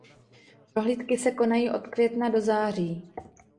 Prohlídky se konají od května do září.